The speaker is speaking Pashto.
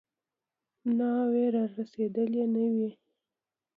ناوې رارسېدلې نه وي.